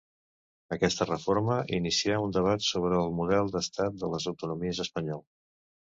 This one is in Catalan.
Aquesta reforma inicià un debat sobre el model de l'Estat de les Autonomies espanyol.